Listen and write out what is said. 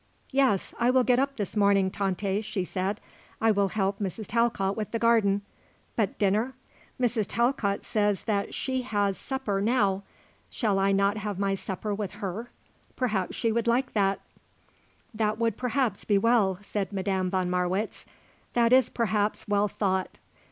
"Yes, I will get up this morning, Tante," she said. "I will help Mrs. Talcott with the garden. But dinner? Mrs. Talcott says that she has supper now. Shall I not have my supper with her? Perhaps she would like that?" "That would perhaps be well," said Madame von Marwitz. "That is perhaps well thought."